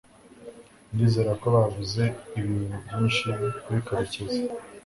ndizera ko bavuze ibintu byinshi kuri karekezi